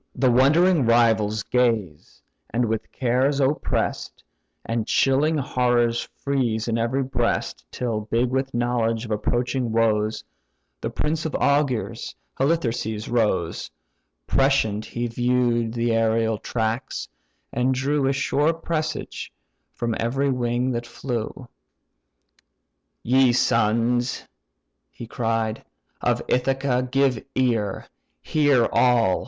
The wondering rivals gaze, with cares oppress'd, And chilling horrors freeze in every breast, Till big with knowledge of approaching woes, The prince of augurs, Halitherses, rose: Prescient he view'd the aërial tracks, and drew A sure presage from every wing that flew. "Ye sons (he cried) of Ithaca, give ear; Hear all!